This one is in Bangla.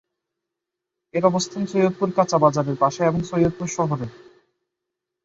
এর অবস্থান সৈয়দপুর কাঁচা বাজারের পাশে এবং সৈয়দপুর শহরের অবস্থিত।